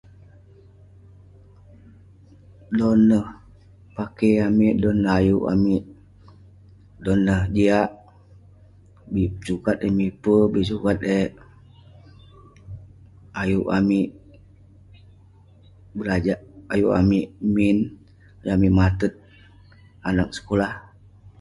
dan neh pakey amik dan neh ayuk amik, dan neh jiak, bik sukat eh mipe, bik sukat eh ayuk amik berajak ayuk amik min ayuk amik matet anag sekulah